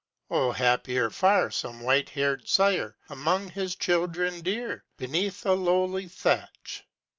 O happier far Some white haired sire, among his children dear, Beneath a lowly thatch!